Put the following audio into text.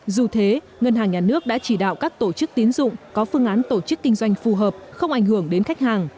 dù thế ngân hàng nhà nước đã chỉ đạo các tổ chức tín dụng có phương án tổ chức kinh doanh phù hợp không ảnh hưởng đến khách hàng